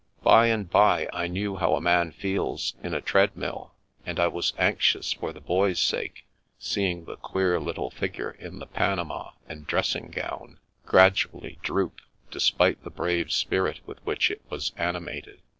By and bye I knew how a man feels in a treadmill, and I was anxious for the Boy's sake, seeing the queer little figure in the panama and dressing gown gradually droop, despite the brave spirit with which it was animated.